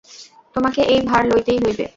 তোমাকে এই ভার লইতেই হইবে।